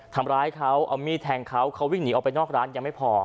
ทำร้ายเขาเอามีดแทงเขาเขาวิ่งหนีออกไปนอกร้านยังไม่พอ